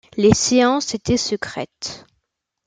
Les séances étaient secrètes.